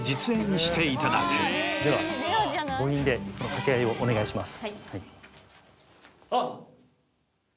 では母音でその掛け合いをお願いします。